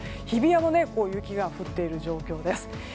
日比谷も雪が降っている状況です。